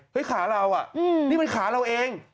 ขาเราอ่ะนี่มันขาเราเอง